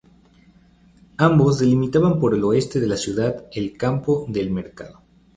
Ambos delimitaban por el Oeste de la Ciudad el Campo del Mercado.